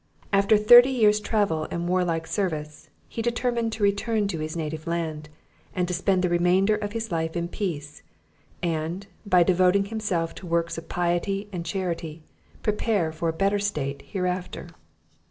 After thirty years travel and warlike service, he determined to return to his native land, and to spend the remainder of his life in peace; and, by devoting himself to works of piety and charity, prepare for a better state hereafter.